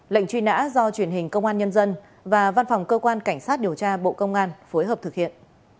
lệnh truy nã do truyền hình công an nhân dân và văn phòng cơ quan cảnh sát điều tra bộ công an phối hợp thực hiện